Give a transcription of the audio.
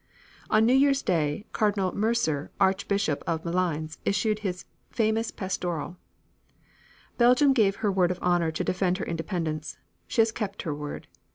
On New Year's day Cardinal Mercier, Archbishop of Malines, issued his famous pastoral: Belgium gave her word of honor to defend her independence. She has kept her word.